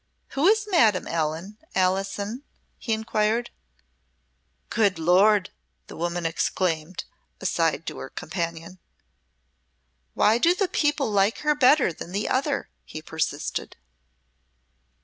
"Who is Madame Ellen, Alison?" he inquired. "Good Lord!" the woman exclaimed, aside to her companion. "Why do the people like her better than the other?" he persisted.